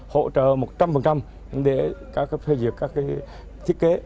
hỗ trợ một trăm linh để các phê diệt các thiết kế